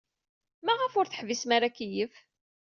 Maɣef ur teḥbisem ara akeyyef?